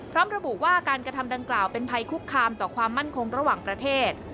ระบุว่าการกระทำดังกล่าวเป็นภัยคุกคามต่อความมั่นคงระหว่างประเทศ